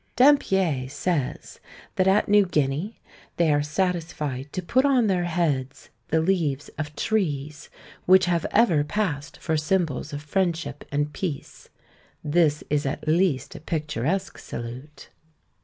Dampier says, that at New Guinea they are satisfied to put on their heads the leaves of trees, which have ever passed for symbols of friendship and peace. This is at least a picturesque salute.